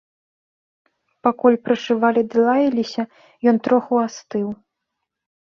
Пакуль прышывалі ды лаяліся, ён троху астыў.